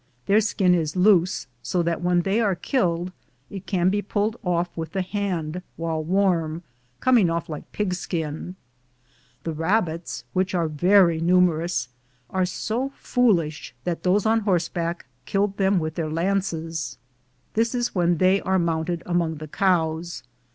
Their skin is loose, so that when they are killed it can be pulled off with the hand while warm, coming off like pigskin. The rabbits, which are very numerous, are so foolish that those on horse back killed them with their knees. This is when they are mounted among the cows.